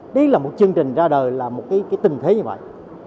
đấy là một chương trình ra đời là một tình thế như vậy